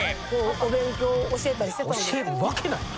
お勉強教えたりしてたんですか？